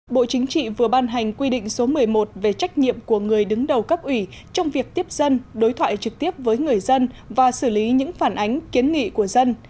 bộ chính trị vừa ban hành quy định số một mươi một về trách nhiệm của người đứng đầu cấp ủy trong việc tiếp dân đối thoại trực tiếp với người dân và xử lý những phản ánh kiến nghị của dân